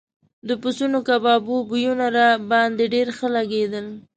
د پسونو کبابو بویونه راباندې ډېر ښه لګېدل.